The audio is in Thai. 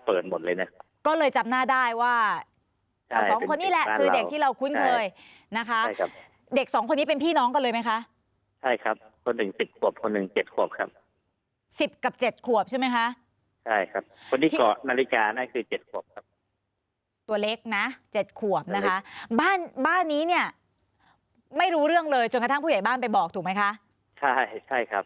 เพราะว่าเป็นโพสต์มาจากไอ้มิลยอร์กโพสต์นะครับ